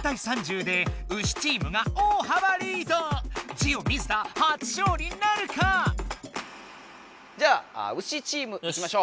ジオ水田初勝利なるか⁉じゃあウシチームいきましょう。